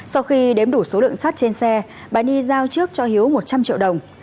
sau khi đếm đủ số lượng sắt trên xe bà ni giao trước cho hiếu một trăm linh triệu đồng